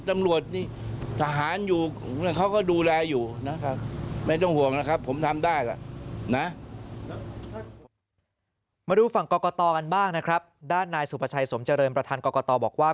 มาดูฝั่งกรกตกันบ้างนะครับด้านนายสุภาชัยสมเจริญประธานกรกตบอกว่า